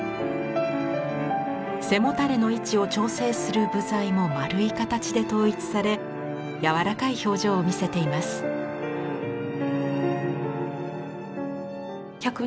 背もたれの位置を調整する部材も丸い形で統一され柔らかい表情を見せています。